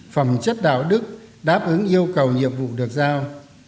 phẩm chất đạo đức đáp ứng yêu cầu nhiệm vụ được giao